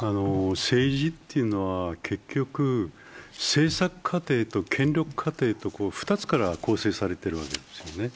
政治っていうのは結局、政策過程と権力過程の２つから構成されてるわけですよね。